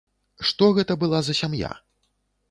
Што гэта была за сям'я?